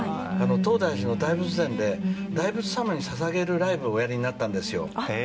東大寺の大仏殿で大仏様に捧げるライブをおやりになったんです。